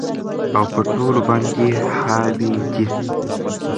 او په ټولو باندي حاوي دى